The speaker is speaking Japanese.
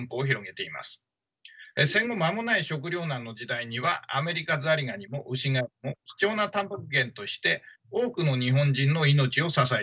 戦後間もない食糧難の時代にはアメリカザリガニもウシガエルも貴重なタンパク源として多くの日本人の命を支えてきました。